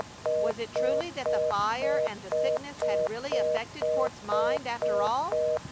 Was it true that the fire and the sickness had really affected Court's mind, after all?